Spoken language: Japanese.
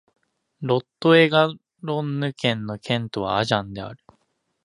ロット＝エ＝ガロンヌ県の県都はアジャンである